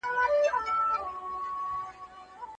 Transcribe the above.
سم لكه ماهى